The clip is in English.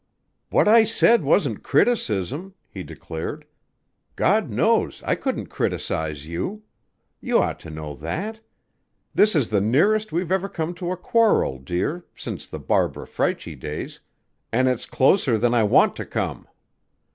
"What I said wasn't criticism," he declared. "God knows I couldn't criticize you. You ought to know that. This is the nearest we've ever come to a quarrel, dear, since the Barbara Freitchie days, and it's closer than I want to come.